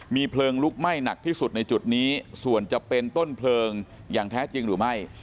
มีเพลิงลุกไหม้หนักที่สุดในจุดนี้ส่วนจะเป็นต้นเพลิงอย่างแท้จริงหรือไม่